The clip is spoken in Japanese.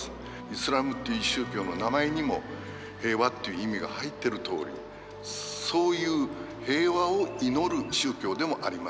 イスラームっていう宗教の名前にも平和っていう意味が入ってるとおりそういう平和を祈る宗教でもあります。